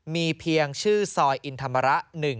มีเพียงชื่อซอยอินธรรมระ๑๑